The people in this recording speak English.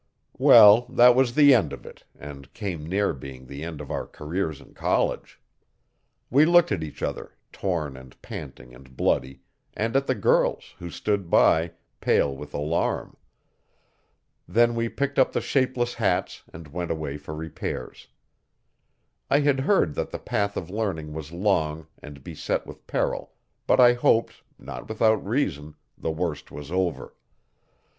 Well, that was the end of it and came near being the end of our careers in college. We looked at each other, torn and panting and bloody, and at the girls, who stood by, pale with alarm. Then we picked up the shapeless hats and went away for repairs. I had heard that the path of learning was long and beset with peril but I hoped, not without reason, the worst was over.